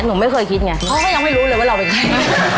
หนูไม่เคยคิดไงเขาก็ยังไม่รู้เลยว่าเราเป็นใคร